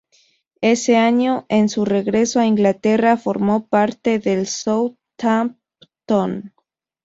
Ese año, en su regreso a Inglaterra, formó parte del Southampton.